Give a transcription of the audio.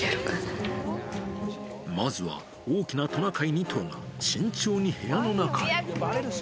まずは大きなトナカイ２頭が、慎重に部屋の中へ。